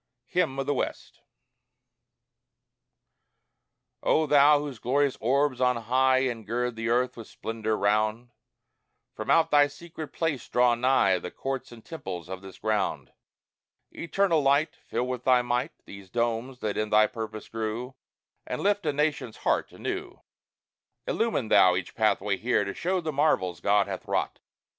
HYMN OF THE WEST O Thou, whose glorious orbs on high Engird the earth with splendor round, From out thy secret place draw nigh The courts and temples of this ground; Eternal Light, Fill with thy might These domes that in thy purpose grew, And lift a nation's heart anew! Illumine Thou each pathway here, To show the marvels God hath wrought!